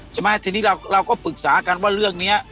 ใช่ไหมทีนี้เราก็ปรึกษากันว่าเรื่องนี้